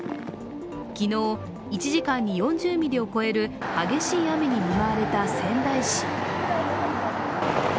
昨日、１時間に４０ミリを超える激しい雨に見舞われた仙台市。